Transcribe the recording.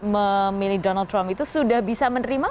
memilih donald trump itu sudah bisa menerima